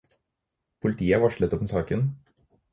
Politiet er varslet om saken.